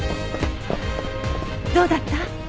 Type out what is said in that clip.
どうだった？